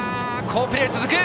好プレー続く！